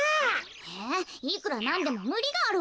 えいくらなんでもむりがあるわよ。